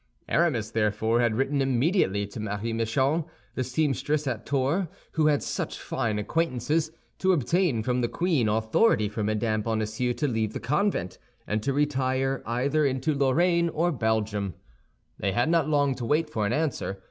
Aramis therefore had written immediately to Marie Michon, the seamstress at Tours who had such fine acquaintances, to obtain from the queen authority for Mme. Bonacieux to leave the convent, and to retire either into Lorraine or Belgium. They had not long to wait for an answer.